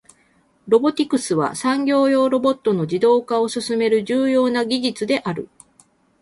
ロボティクスは、産業用ロボットの自動化を進める重要な技術である。